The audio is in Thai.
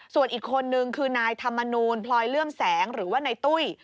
ส่วนอีกคนนึงคือนายธรรมนูลพลอยเลื่อมแสงหรือว่าในตุ้ย